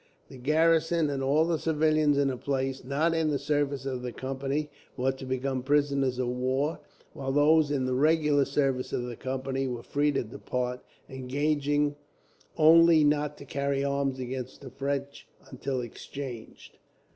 The garrison, and all the civilians in the place not in the service of the Company, were to become prisoners of war; while those in the regular service of the Company were free to depart, engaging only not to carry arms against the French until exchanged.